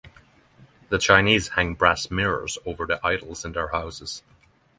The Chinese hang brass mirrors over the idols in their houses.